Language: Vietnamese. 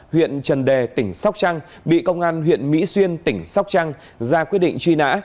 huyện trần đề tỉnh sóc trăng bị công an huyện mỹ xuyên tỉnh sóc trăng ra quyết định truy nã